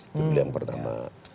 itu yang pertama